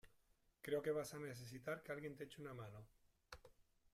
creo que vas a necesitar que alguien te eche una mano